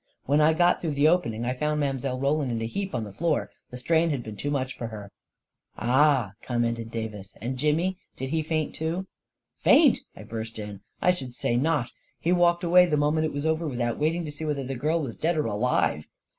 " When I got through the opening, I found Mile. Roland in a heap on the floor. The strain had been too much for her." " Ah !" commented Davis. " And Jimmy — did he faint, too ?" A KING IN BABYLON 275 " Faint? " I burst in. " I should say not! He walked away the moment it was over, without wait ing to see whether the girl was dead or alive."